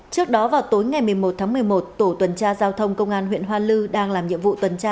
trước đó vào tối ngày một mươi một tháng một mươi một tổ tuần tra giao thông công an huyện hoa lư đang làm nhiệm vụ tuần tra